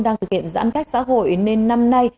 đang thực hiện giãn cách xã hội nên năm nay